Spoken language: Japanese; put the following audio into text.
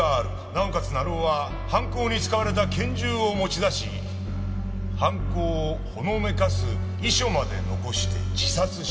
なおかつ成尾は犯行に使われた拳銃を持ち出し犯行をほのめかす遺書まで残して自殺した。